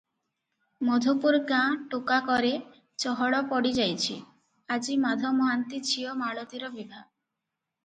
ମଧୁପୁର ଗାଁ ଗୋଟାକରେ ଚହଳ ପଡ଼ି ଯାଇଛି, ଆଜି ମାଧ ମହାନ୍ତି ଝିଅ ମାଳତୀର ବିଭା ।